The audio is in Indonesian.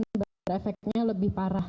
jadi saya rasa itu sebenarnya lebih parah